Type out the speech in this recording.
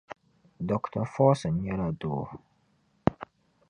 Dr. Forson nyɛla doo